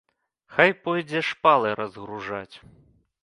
Хай пойдзе шпалы разгружаць.